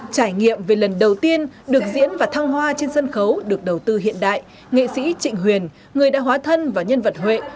trải nghiệm về lần đầu tiên được diễn và thăng hoa trên sân khấu được đầu tư hiện đại nghệ sĩ trịnh huyền người đã hóa thân vào nhân vật huệ